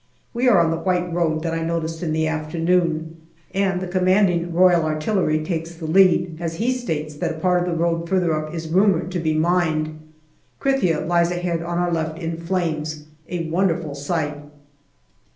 We are on the white road that I noticed in the afternoon, and the C.R.A. takes the lead, as he states that a part of the road further up is rumoured to be mined. Krithia lies ahead on our left in flames, a wonderful sight.